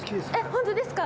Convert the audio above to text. ホントですか？